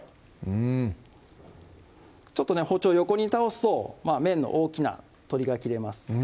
ちょっとね包丁横に倒すと面の大きな鶏が切れます